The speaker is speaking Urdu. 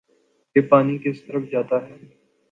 یہ پانی کس طرف جاتا ہے